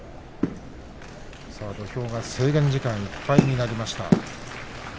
土俵が制限時間いっぱいになりました。